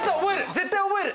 絶対覚える！